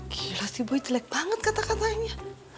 gila sih boy jelek banget kata katanya